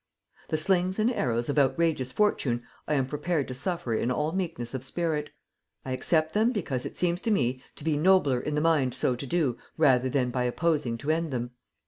The slings and arrows of outrageous fortune I am prepared to suffer in all meekness of spirit; I accept them because it seems to me to be nobler in the mind so to do rather than by opposing to end them.